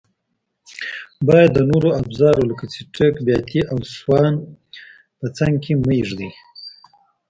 باید د نورو افزارو لکه څټک، بیاتي او سوان په څنګ کې مه ږدئ.